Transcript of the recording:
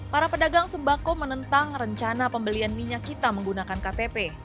para pedagang sembako menentang rencana pembelian minyak kita menggunakan ktp